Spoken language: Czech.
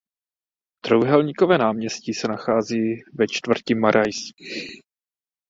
Trojúhelníkové náměstí se nachází ve čtvrti Marais.